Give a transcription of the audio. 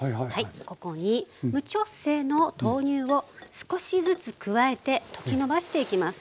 ここに無調整の豆乳を少しずつ加えて溶きのばしていきます。